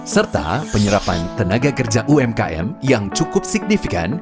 serta penyerapan tenaga kerja umkm yang cukup signifikan